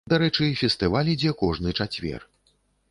Дарэчы, фестываль ідзе кожны чацвер.